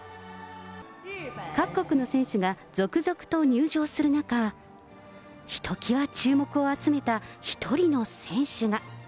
各国の選手が続々と入場する中、ひときわ注目を集めた１人の選手が。